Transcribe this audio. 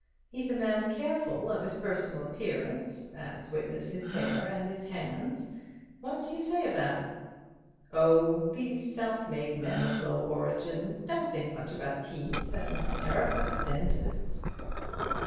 He's a man careful of his personal appearance, as witness his hair and his hands. What do you say to that?" "Oh, these self made men of low origin don't think much about teeth, and are terrified of dentists."